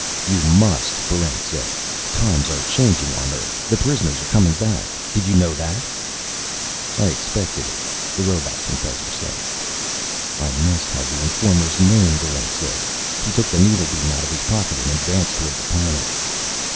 "You must!" Barrent said. "Times are changing on Earth. The prisoners are coming back. Did you know that?" "I expected it," the robot confessor said. "I must have the informer's name," Barrent said. He took the needlebeam out of his pocket and advanced toward the panel.